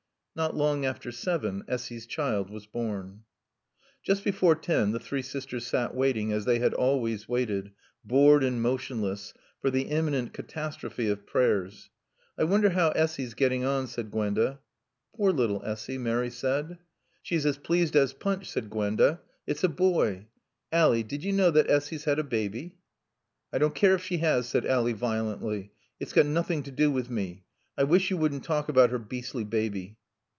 Not long after seven Essy's child was born. Just before ten the three sisters sat waiting, as they had always waited, bored and motionless, for the imminent catastrophe of Prayers. "I wonder how Essy's getting on," said Gwenda. "Poor little Essy!" Mary said. "She's as pleased as Punch," said Gwenda. "It's a boy. Ally did you know that Essy's had a baby?" "I don't care if she has," said Ally violently. "It's got nothing to do with me. I wish you wouldn't talk about her beastly baby."